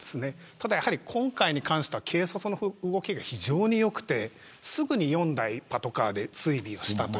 ただ今回に関しては警察の動きが非常に良くてすぐに４台パトカーで追尾をした。